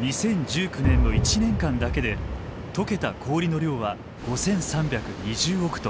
２０１９年の１年間だけで解けた氷の量は５，３２０億トン。